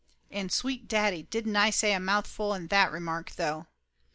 And sweet daddy, didn't I say a mouthful in that remark, though!